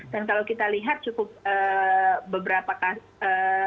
dan kalau kita lihat cukup beberapa atlet dan ofisial itu sudah terinfeksi